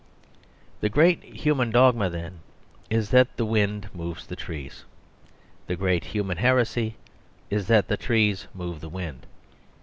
..... The great human dogma, then, is that the wind moves the trees. The great human heresy is that the trees move the wind.